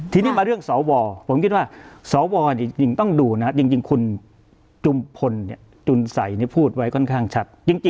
ที่นี่มาเรื่องสอบวอล์สอบวอล์ต้องดูนะคุณจุมฝลจุลไสค์นี้พูดไว้ค่อนข้างชัด